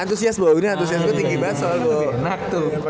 antusias boh gini antusias gue tinggi banget soalnya